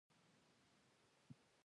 شیام د بنسټونو نوښت ترسره کړل.